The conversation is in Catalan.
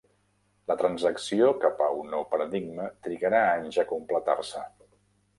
La transacció cap a un nou paradigma trigarà anys a completar-se.